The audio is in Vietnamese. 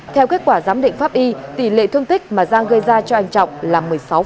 theo kết quả giám định pháp y tỷ lệ thương tích mà giang gây ra cho anh trọng là một mươi sáu